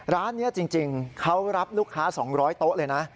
ร้านนี้จริงเขารับลูกค้า๒๐๐โต๊ะเลยนะ